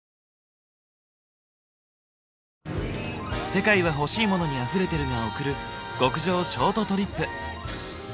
「世界はほしいモノにあふれてる」が贈る極上ショートトリップ。